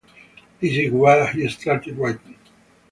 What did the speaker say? This is where he started writing.